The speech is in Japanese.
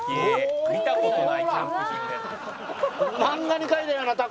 「見た事ないキャンプ場で」